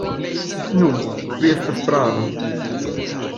Nu, vi estas prava.